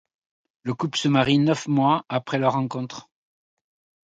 Le couple se marie neuf mois après leur rencontre.